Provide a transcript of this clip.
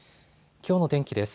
きょうの天気です。